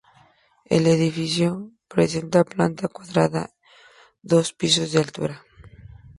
El edificio presenta planta cuadrada y dos pisos en altura.